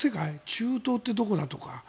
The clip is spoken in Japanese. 中東ってどこだとか。